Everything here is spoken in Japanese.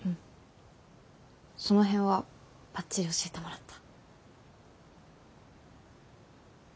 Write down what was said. その辺はばっちり教えてもらった。